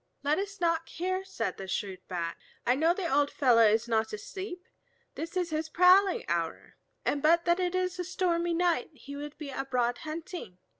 "Let us knock here," said the shrewd Bat, "I know the old fellow is not asleep. This is his prowling hour, and but that it is a stormy night he would be abroad hunting.